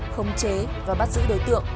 không chế và bắt giữ đối tượng